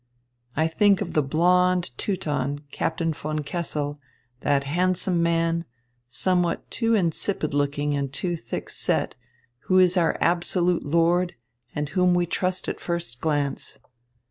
I think of the blond Teuton, Captain von Kessel, that handsome man, somewhat too insipid looking and too thick set, who is our absolute lord and whom we trust at first glance.